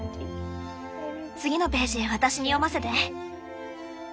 次のページ私に読ませて。